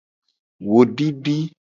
Wo didi.